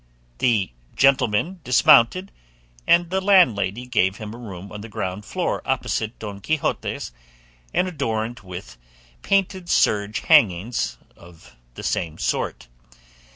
The gentleman dismounted, and the landlady gave him a room on the ground floor opposite Don Quixote's and adorned with painted serge hangings of the same sort.